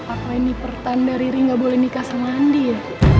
apa ini pertanda riri gak boleh nikah sama andi ya